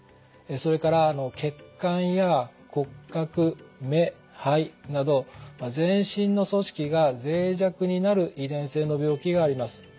それから血管や骨格目肺など全身の組織がぜい弱になる遺伝性の病気があります。